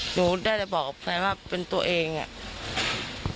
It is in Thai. หนูได้แต่บอกกับแฟนว่าเป็นตัวเองอ่ะ